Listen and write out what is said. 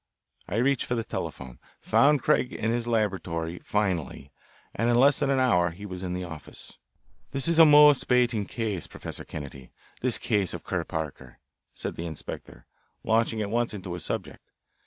I reached for the telephone, found Craig in his laboratory finally, and in less than an hour he was in the office. "This is a most bating case, Professor Kennedy, this case of Kerr Parker," said the inspector, launching at once into his subject.